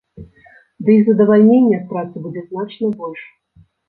Дый задавальнення ад працы будзе значна больш.